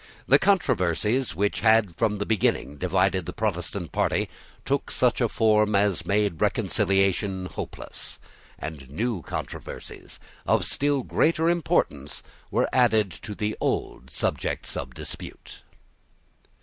The controversies which had from the beginning divided the Protestant party took such a form as made reconciliation hopeless; and new controversies of still greater importance were added to the old subjects of dispute.